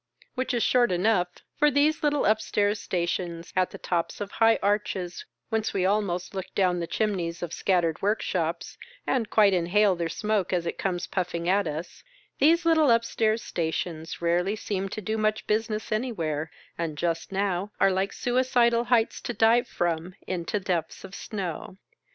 Which is short enough, for these little up stairs stations at the tops of high arches, whence we almost look down the chimneys of scattered workshops, and quite inhale their smoke as it comes puffing at us — these little upstairs stations rarely seem to do much business anywhere, and just now are hke suicidal heights to dive from into depths of snow.